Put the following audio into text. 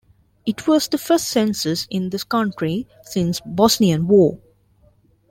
It was the first census in the country since the Bosnian War.